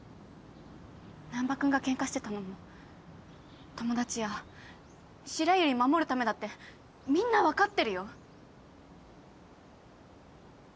難破君がケンカしてたのも友達や白百合守るためだってみんな分かってるよ。